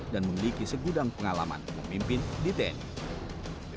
dan memiliki segudang pengalaman memimpin di tni